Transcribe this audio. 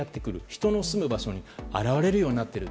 人が住む場所に現れるようになってる。